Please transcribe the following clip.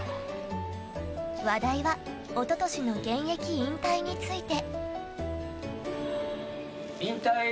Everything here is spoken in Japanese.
話題は一昨年の現役引退について。